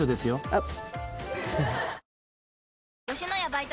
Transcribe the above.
あっ。